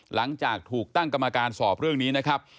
หลังจากถูกตั้งกรรมการสอบเรื่องนี้นะครับ